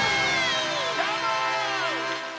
どーも！